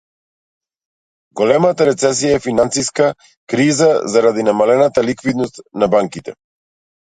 Големата рецесија е финансиска криза заради намалената ликвидност на банките.